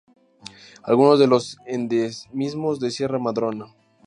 Algunos de los endemismos de ""Sierra Madrona"".